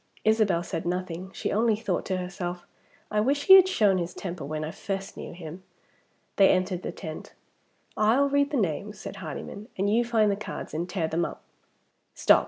Isabel said nothing; she only thought to herself, "I wish he had shown his temper when I first knew him!" They entered the tent. "I'll read the names," said Hardyman, "and you find the cards and tear them up. Stop!